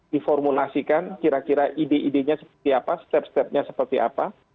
diformulasikan kira kira ide idenya seperti apa step stepnya seperti apa